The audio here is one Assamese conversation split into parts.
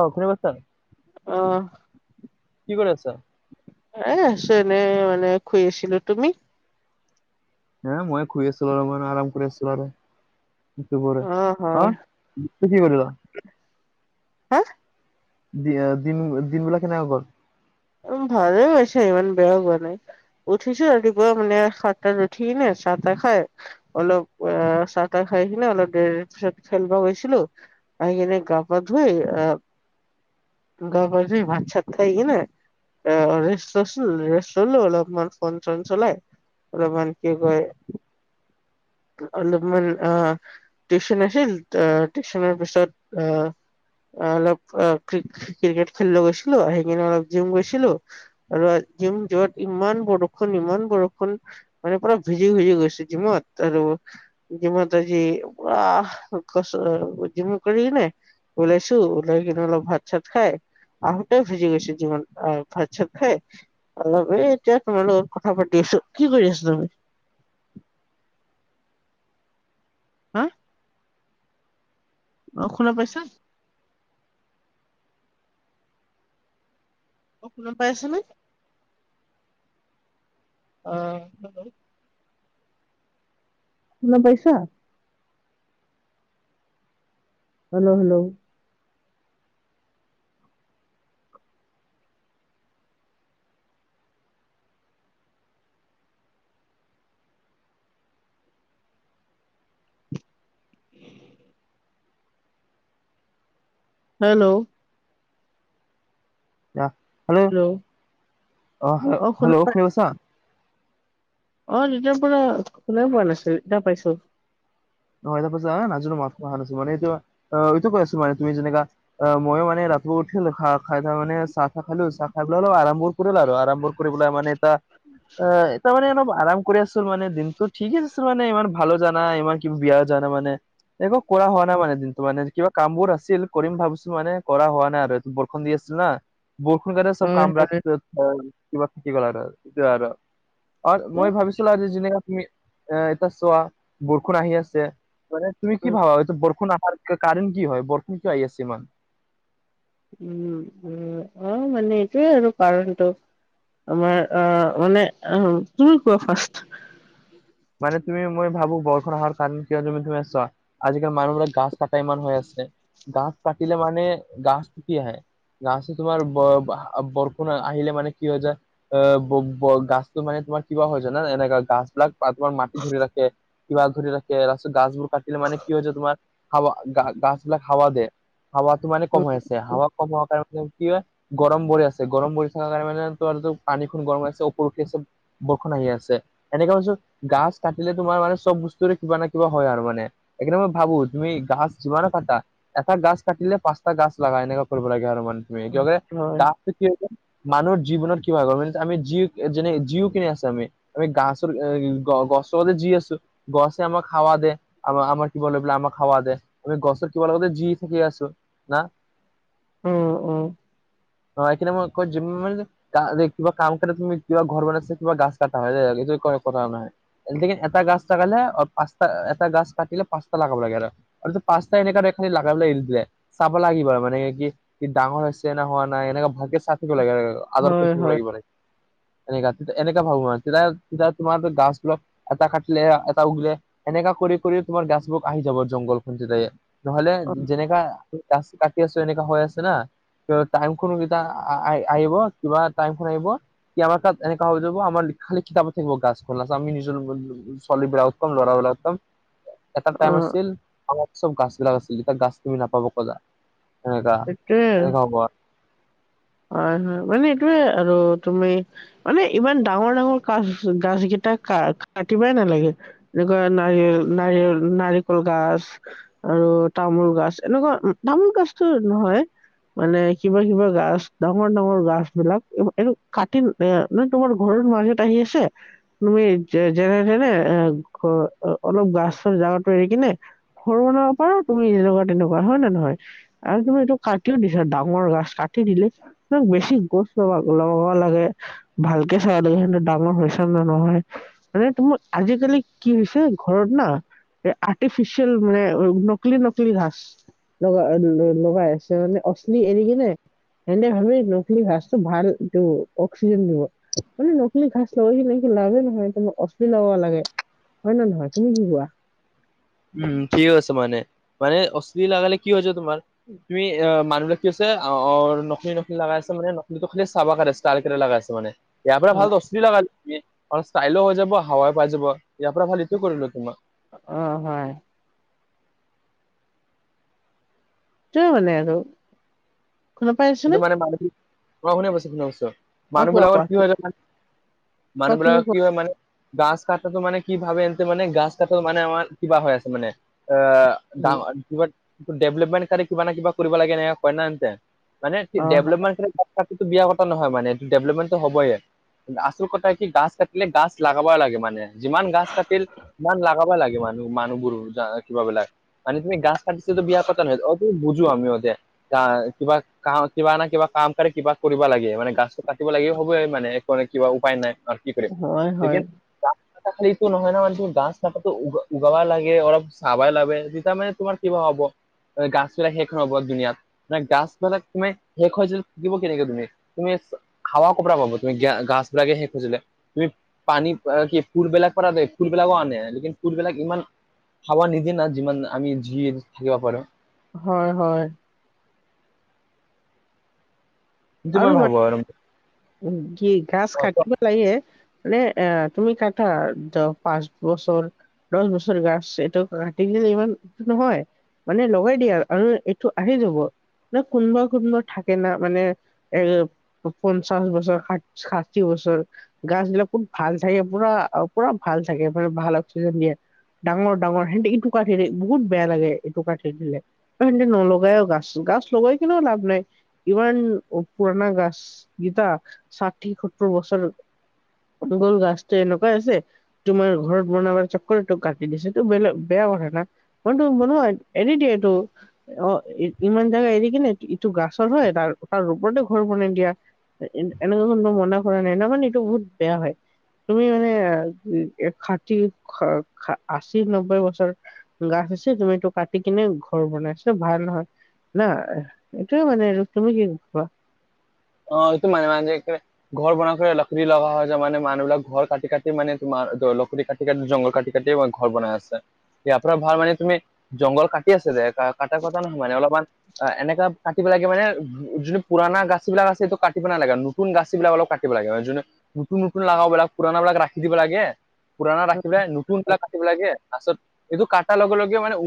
অ' কোনে কৈছা? অ' কি কৰি আছা? এ আছো এনে মানে শুই আছিলো তুমি? হে মই খোই আছিলো ৰ মানে আৰাম কৰি আছিলো আৰু। [unintelligible] অ', হয়, কি কৰিলা? হা? দিন দিনবিলাক কেনেকা গ'ল? উ ভালে গৈছে ইমান বেয়া হোৱা নাই। উঠিছো ৰাতিপুৱা মানে সাত তাত উঠি কিনে চাহ তাহ খাই। অলপ আহ চাহ-তাহ খাই কিনে অলপ দেৰি পিছত খেলিব গৈছিলোঁ। আহি কিনে গাপা ধুই আহ, গাপা ধুই ভাত-চাত খাই কিনে এ ৰেষ্ট লৈছোঁ ৰেষ্ট ললোঁ অলপমান ফোন-চোন চলাই। অলপমান কি কয় অলপমান অ' টিউচন আছিল আহ টিউচনৰ পিছত আহ আহ অলপ আহ ক্ৰিকেট খেলব গৈছিলোঁ আহি কিনে অলপ জিম গৈছিলোঁ। আৰু জিম য'ত ইমান বৰষুণ, ইমান বৰষুণ। তাৰে পৰা ভিজি, ভিজি গৈছোঁ জিমত, আৰু ইতিমধ্যে সি পুৰা [unintelligible] জিম কৰিলে। ওলাইছোঁ ওলাই কিনে অলপ ভাত-চাত খাই আহোতে ভিজি গৈছে যিমান আহ ভাত-চাত খাই। অলপ এই এতিয়া তোমাৰ লগত কথা পাতি আছো, কি কৰি আছ' হাঁ? অ' শুনা পাইছা? অ' শুনা পাই আছা নে, অ' শুনা পাইছা? হেল্ল' হেল্ল' হেল্ল' আহ হেল্ল' অ' শুনা পাই হেল্ল' হেল্ল' [unintelligible] অ' তেতিয়াৰ পৰা শুনাই পোৱা নাছিলোঁ এতিয়া পাইছোঁ। নহয় তাৰ [unintelligible] নাজনো মই অহা নাছিলোঁ মানে এইটো অ' এইটো কৈছো মানে তুমি যেনেকা অ' মইয়ো মানে ৰাতিপোৱা উঠিলোঁ খাহ খাই তাৰ মানে চাহ-তাহ খালোঁ চাহ খাই পেলাই অলপ আৰাম ক [unintelligible] আৰু আৰাম বোধ কৰি পেলাই মানে এটা অ' এটা মানে অলপ আৰাম কৰিছ তোৰ মানে দিনটো ঠিকেই আছে মানে ইমান ভালো যোৱা নাই ইমান কি বেয়া যাৱা নাই মানে, একো কৰা হোৱা নাই মানে দিনটো মানে কিবা কামবোৰ আছিল কৰিম ভাবিছোঁ মানে কৰা হোৱা নাই আৰু আজি বৰষুণ দি আছিল না। বৰষুণ দিয়াতে চব হয় হয়। কামবিলাক [unintelligible] আৰ মই ভাবিছিলোঁ আজি যেনেকা তুমি এ এতিয়া চোৱা ষুৰ আহি আছে, মানে তুমি কি ভাবা এইটো বৰষুণ আহাৰ কাৰণ কি হয় বৰষুণ কিয় আহি আছে ইমান? উম, উম অ' মানে এইটোৱে আৰু কাৰণটো। আমাৰ আহ মানে আহ তুমি কোৱা ফাৰ্ষ্ট। মানে তুমি মই ভাবোঁ বৰষুণ অহাৰ কাৰণে কিয় তুমি, তুমি চোৱা। আজিকালি মানুহবিলাক গাছ কাটাই ইমান হৈ আছে গাছ কাটিলে মানে গাছ কি আহে। গাছে তোমাৰ বৰ আহ বৰষুণ আহিলে মানে কি হৈ যায় এ ব-ব গাছটো মানে তোমাৰ কিবা হয় জানা এনে গাছ বিলাকে [unintelligible] মাটি ধৰি ৰাখে। কিবা ঘূৰি ৰাখে তাৰপিছত গাছবোৰ কাটিলে মানে কি হয় হৈছে তোমাৰ হাৱা গাছবিলাক হাৱা দিয়ে। হাৱাটো মানে কমা হৈ আছে হাৱা কম হোৱাৰ কাৰণে কি হয় গৰম পৰি আছে গৰম পৰি থকা কাৰণে মানে তোমাৰটো পানীখন গৰম হৈ আছে উপৰ উঠি আছে। বৰষুণ আহি আছে, এনেকা [unintelligible] গছ কাটিলে তোমাৰ মানে চব বস্তুৰে কিবা না কিবা হয় আৰু মানে। এই কাৰণে মই ভাবোঁ তুমি গাছ যিমানে কাটা এটা গাছ কাটিলে পাঁচটা গাছ লাগা এনেকা কৰিব লাগে আৰু মানে তুমি হয় [unintelligible] গাছটো কি মানুহৰ জীৱনত কি হয় গম পাইছা আমি যি যেনে [unintelligible] আছে আমি, আমি গাছৰ গ-গছৰ যে যি আছিল, গছে আমাক হাৱা দে। আমাৰ, আমাৰ কি বোলে আমাক হাৱা দে আমি গছৰ [unintelligible] না উম, উম। অ' এইখিনি মই ক'ত জিম মাৰি [inaudible] [unintelligible] কিবা কাম কাৰণে তুমি কিবা ঘৰ বনাইছে কিবা গাছ কাটা হয় [unintelligible] আজিকালি এটা গাছ লাগালে পাঁচটা এটা গাছ কাটিলে পাঁচটা লাগাব লাগে আৰু। আৰুটো পাঁচটা এনেকা তাইপ সেই লাগা [unintelligible] চাব লাগিব আৰু মানে কি, কি ডাঙৰ হৈছে নে হোৱা নাই এনেকে ভালকে হয় হয়। চা [unintelligible] এনেকা, এনেকা ভাবো মই আৰু তেতিয়া, তেতিয়া তোমাৰটো গাছ অলপ এটা কাটলে এটা উগলে এনেকা কৰি, কৰি তোমাৰ গাছবোৰ আহি যাব জংঘলখন য নহ'লে যেনেকা কাটি আছোঁ এনেকা হৈ আছে না [unintelligible] কিবা টাইমখন আহিব। কি আমাৰ তাত এনেকা হৈ যাব আমাৰ লিখ খালি কিতাবত থাকিব গাছবোৰ লা ত'আমি নিজৰ [unintelligible] ছোৱালীবিলাকক কম, ল'ৰাবিলকক কম এটা অ টাইইম আছিল চব গাছ বিলাক আছিল এতিয়া গাছ তুমি নাপব ক'লা সেনেকা সেইটোৱে আৰু। এনেকা হ'ব আৰ হয়, হয় মানে এইটোয়ে আৰু তুমি মানে ইমান ডাঙৰ, ডাঙৰ কাচ গাছকেইটা কা -কাটিবাই নালাগে। এনেকুৱা নাৰি- নাৰি-নাৰিয়ল নাৰিকল গাছ আৰু তামোল-গাছ এনেকুৱা তামোল-গাছটো নহয়। মানে কিবা-কিবা গাছ। ডাঙৰ, ডাঙৰ গাছ বিলাক এইবোৰ এইটো কাতিন এ মানে তোমাৰ ঘৰত মাজত আহি আছে। তুমি যে-যেনে-তেনে এ ঘ অলপ গাছৰ জাগাটো এৰি কিনে সৰু বনাব পাৰা তুমি এনেকুৱা তেনেকুৱা হয় নে নহয়? আৰু তুমি এইটো কাটিও দিছা ডাঙৰ গছ কাটি দিলে ত' বেছি গছ [unintelligible] লগাবা লাগে। ভালকে চাবা লাগে সিহঁতে ডাঙৰ হৈছে নে নহয়। [inaudible] তোমাৰ আজিকালি কি হৈছে ঘৰত না এ, আৰ্টিফিচিয়েল মানে নকলি, নকলি ঘাছ। লগাই- ল-লগাই আছে মানে অচলি এৰি কিনে। সেন্তে ভাবে নকলি গাছতো ভালটো অক্সিজন দিব। [unintelligible] নকলি ঘাছ লগালে মানে লাভে নহয় [unintelligible] অচলী লগাবা লাগে। হয় নে নহয়, তুমি কি কোৱা? উম, ঠিক কৈছে মানে, মানে অচলী লাগালে কি হয় যে তোমাৰ তুমি অ' মানুহবিলাক কি হৈছে অ' নকলি, নকলি লাগাই আছে মানে নকলিটো খালি চাবা কাৰণে ষ্টাৰ [unintelligible] লাগাই আছে মানে। ইয়াৰ পৰা অ ভাল দচলী লগাই লবি অলপ ষ্টাইল হৈ যাব, হাৱাই পাই যাব ইয়াৰ পৰা ভাল এইটো কৰিলোঁ তোমাক। অ' হয়। [unintelligible] মানে আৰু। শুনা পাই [unintelligible] আছানে? অ'শুনা পাইছোঁ, শুনা পাইছোঁ অ'। মানুহ কোৱা বিলাকৰ কোৱা কি হয় জানা [inaudible] কোৱা মানুহ তুমি বিলাকৰ কি কোৱা হয় মানে গাছ কাটাটো মানে কি ভাবে, এনতে মানে গাছ কাটাটো মানে আমাৰ কিবা হৈ আছে মানে [unintelligible] উম, ডাঙৰ কিব [unintelligible] ডেভলপমেণ্ট কাৰণে কিবা না কিবা কৰিব লাগে এনেকা কয় না এনতে মানে অ ডেভলপমেন্টখিনি [unintelligible] বিয়া কথা নহয় মানে ডেভলপমেন্টটো হ'বয়ে। আচল কথা কি গাছ কাটিলে গাছ লাগাবা লাগে মানে যিমান গাছ কাটিল ইমান লাগাবা লাগে মানুহ-মানুহবোৰো কিবাবিলাক মানে তুমি গাছ বিয়া কথা নহয় অ বুজো আমি অতে কিবা কিবা নহয় কিবা না কিবা কাম কৰে কিবা কৰিব লাগে মানে গাছটো কাটিব লাগে হ'ব মানে এক কিবা উপায় নাই কি‌ কৰি আছে হয় হয় দিগেন গাছ কাটা এইটো নহয় ন গাছ কাটাটো উ উগালা লাগে অলপ চাবাই লাগে তেতিয়া মানে তোমাৰ কিবা হ'ব। গাছ বিলাক শেষ নহ'ব দুনিয়াত মানে গাছ বিলাক তুমি শেষ হয় যে থাকিব কেনেকে তুমি তুমি খাৱা ক'ৰ পৰা পাব তুমি গ গাছবিলাকে সে হৈ গলে তুমি পানী কি ফুলবিলাক পৰা দে ফুলবিলাকো আনে যদি ফুলবিলাক ইমান খাৱা নিদিয়ে না যিমান আমি যি থাকিবা পাৰোঁ। হয় হয় সেইটো মই ভাবো আৰু উম কি গাছ কাটিবা লাগে মানে আহ তুমি কাটা দহ পাঁচ বছৰ দহ বছৰ গাছ এইটো কাটি দিলে ইমান নহয়। মানে লগাই দিয়ে আৰু, আৰু এইটো আহি যাব ন কোনোবা কোনোবা থাকে না মানে এ পঞ্চাশ বছৰ ষা ষাঠি বছৰ। গাছ বিলাক খুব ভাল থাকে পুৰা পুৰা ভাল থাকে মানে ভাল অক্সিজেন দিয়ে। ডাঙৰ ডাঙৰ সেহতে এইটো কাটি বহুত বেয়া লাগে এইটো কাটি দিলে। সিহঁতে নলগাইও গাছ, গাছ লগাই কিনেও লাভ নাই ইমান পুৰণা গাছ গীতা ষাঠি সত্তৰ বছৰ। আপোনালোকৰ গাছটো এনেকুৱাই আছে। তোমাৰ ঘৰত বনাবা চকৰটো কাটি দিছেটো এইটো বেলে বেয়া কথা না। মইটো মন এনে দিয়ে এইটো। অ ইমান জেগা এৰি কিনে ইটো গাছৰ হয় তাৰ তাৰ ওপৰতে ঘৰ বনাই দিয়া এনেকুৱা ধৰণৰ মনা কৰা নাই ন মানে এইটো বহুত বেয়া হয়। তুমি মানে ষাঠি আশী নব্বৈ বছৰ গাছ আছে তুমি এইটো কাটি কিনে ঘৰ বনাই আছা ভাল নহয়। মানে এইটোয়ে মানে তুমি কোৱা। অ এইটো মাজে মাজে একে ঘৰ বনাই লকুৰি লগা হয় ত মানে মানুহবিলাক ঘৰ কাটি কাটি মানে তোমাৰ লকুৰি কাটি কাটি জংঘল কাটি কাটি ঘৰ বনাই আছে ইয়াৰ পৰা ভাল মানে তুমি জংঘল কাটি ঠিকে আছে দে কা কটা নহয় মানে অলপমান এনেকা কাটিব লাগে মানে যোনটো পুৰণা গাছ যিবিলাক আছে এইটো কাটিব নালাগে নতুন গাছ বিলাক অলপ কাটিব লাগে যোনে নতুন নতুন লগাবিলাক পুৰণা বিলাক ৰাখি দিব লাগে পুৰণা ৰাখিলে নু নতুন বিলাক কাটিব লাগে তাৰপিছত এইটো কাটাৰ লগে লগে মানে উ ল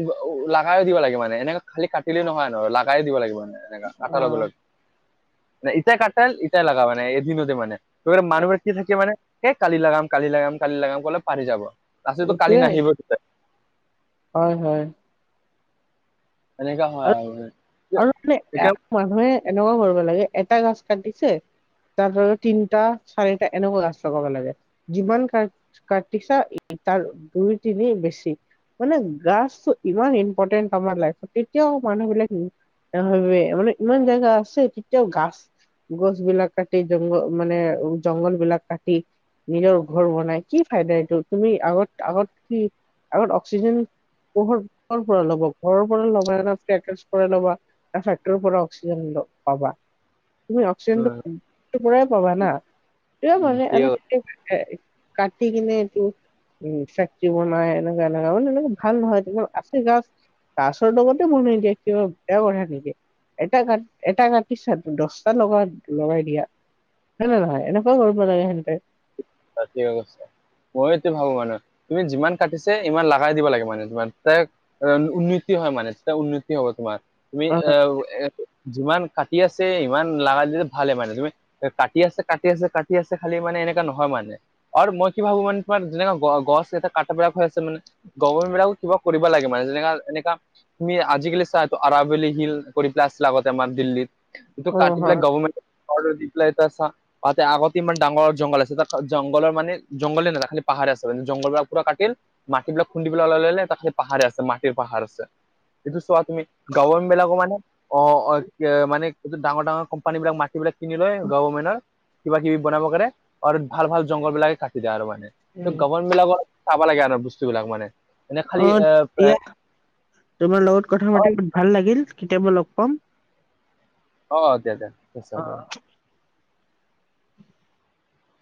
লগাই দিব লাগে মানে এনে খালি কাটিলে নহয় আৰু লাগাই দিব লাগিব মানে এনেকা কাটা ল'ব অ লাগ মানে ইটাই কটাল ইটাই লাগা মানে এদিনতে মানে ত মানুহৰ কি থাকে মানে সেই কালি লাগাম কালি লাগাম কালি লাগাম ক'লে পাহৰি যাব তাৰপিছতটো কালি এইটোয়ে নাহিব তেতিয়া হয় হয় এনেকা হয় আৰু আৰু মানে মানুহে এনেকুৱা কৰিব লাগে এটা গাছ কাটিছে তাৰ সলনি তিনিটা, চাৰিটা এনেকুৱা গাছ লাগাব লাগে যিমান কাট কাটিছা এই তাৰ দুই তিনি বেছি। মানে গাছতো ইমান ইম্পৰ্টেণ্ট আমাৰ লাইফত এতিয়াও মানুহ বিলাকে নাভাবে মানে ইমান জাগা আছে এতিয়াও গাছ গছ বিলাক কাটি জংগ মানে জংঘল বিলাক কাটি নিজৰ ঘৰ বনাই কি ফাইদা এইটো তুমি আগত আগত কি আগত অক্সিজেন কৰ কৰ পৰা লব ঘৰৰ পৰা লগাই লৈছে একে শেষ কৰি ল'বা তাৰপিছত কৰ পৰা অক্সিজেন পৰ পাবা তুমি অক্সিজেনটো সেইটো পৰাই পাবা না এই মানে এতিয়া এনে কাটি কিনে এইটো উম ফেক্টৰী বনাই এনেকোৱা এনেকোৱা মানে এনেকে ভাল নহয় তোমাৰ আচি গছ গাছৰ লগতে মোৰ মেইনকে এইটো বেয়া কথা নেকি এটা কাট এটা কাটিছা দহটা লগ লগাই দিয়া হয় নে নহয় এনেকোৱা কৰিব লাগে সিঁহতে বাকী এই অৱস্থা মই এইটো ভাবো মানে তুমি যিমান কাটিছে ইমান লগাই দিব লাগে মানে তোমাৰ তে এ উন্নতি হয় মানে তেতিয়া উন্নতি হব তোমাৰ তুমি অ অহ এ যিমান কাটি আছে ইমান লগাই দিলে ভালে মানে তুমি এ কাটি আছে কাটি আছে কাটি আছে খালি মানে এনেকা নহয় মানে এ আৰু মই কি ভাবো মানে তোমাৰ যেনেকা গ গছ এটা কাটিব লগা হৈ আছে মানে গভৰ্মেণ্টবিলাকো কিবা কৰিব লাগে মানে যেনেকা এনেকা তুমি আজিকালি চা এইটো আৰাৱলি হিল কৰি পেলাই আছিলে আগতে আমাৰ দিল্লীত এইটো অ কাটি পেলাই হয় গভমেণ্টৰ দি পেলাই এটা চা তাতে আগতে ইমান ডাঙৰ জংঘল আছে তাত জংঘলৰ মানে জংঘলে নাই খালি পাহাৰ আছিলে জংঘল পুৰা কাটিল মাটিবিলাক খুন্দিবলৈ ওলাই ললে তাৰপিছত পাহাৰে আছে মাটিৰ পাহাৰ আছে এইটো চোৱা তুমি গভমেণ্ট বিলাকৰ মানে অ অ মানে ডাঙৰ ডাঙৰ কোম্পানী বিলাক মাটিবলাক কিনি লয় গভমেণ্টৰ কিবা কিবি বনাব কাৰণে আৰু ভাল ভাল জংঘল বিলাকে কাটি দিয়ে আৰু মানে ত উম গভমেণ্টবিলাকৰ চাব লাগে আৰু বস্তু বিলাক মানে এনে খালি অ দিয়া তোমাৰ লগত কথা অ পাতি ভাল লাগিল কেতিয়াবা লগ পাম অ দিয়া দিয়া ঠিক আছে অ বাৰু